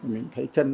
mình thấy chân